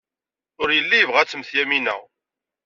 Ur yelli yebɣa ad temmet Yamina.